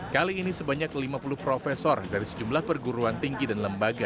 kali ini sebanyak lima puluh profesor dari sejumlah perguruan tinggi dan lembaga